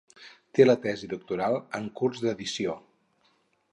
Té la tesi doctoral en curs d'edició.